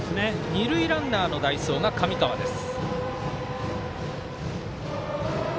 二塁ランナーの代走が神川です。